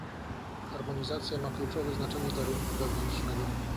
Harmonizacja ma kluczowe znaczenie dla rynku wewnętrznego